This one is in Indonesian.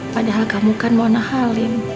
padahal kamu kan mona halim